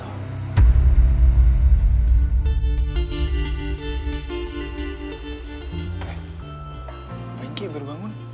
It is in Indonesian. apa yang ini baru bangun